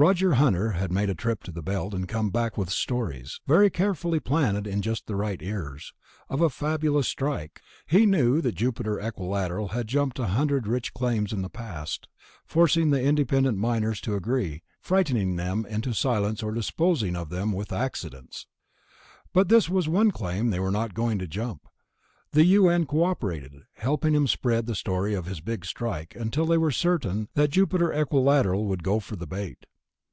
Roger Hunter had made a trip to the Belt and come back with stories ... very carefully planted in just the right ears ... of a fabulous strike. He knew that Jupiter Equilateral had jumped a hundred rich claims in the past, forcing the independent miners to agree, frightening them into silence or disposing of them with "accidents." But this was one claim they were not going to jump. The U.N. cooperated, helping him spread the story of his Big Strike until they were certain that Jupiter Equilateral would go for the bait.